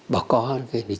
bỏ có thì chẳng có gì